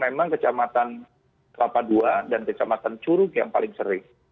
memang kecamatan kelapa ii dan kecamatan curug yang paling sering